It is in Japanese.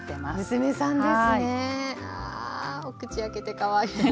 あお口開けてかわいらしい。